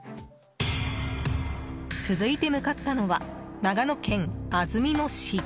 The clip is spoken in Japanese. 続いて向かったのは長野県安曇野市。